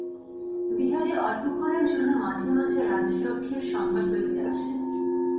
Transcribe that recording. বিহারী অল্পক্ষণের জন্য মাঝে মাঝে রাজলক্ষ্মীর সংবাদ লইতে আসে।